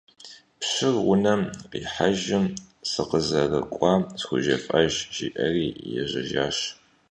Пщыр унэм къихьэжым сыкъызэрыкӀуар схужефӏэж, жиӀэри ежьэжащ.